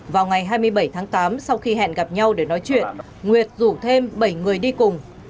vào ngày hai mươi bảy tháng tám sau khi hẹn gặp nhau để nói chuyện nguyệt rủ thêm bảy người đi cùng